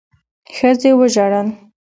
ښځې وژړل.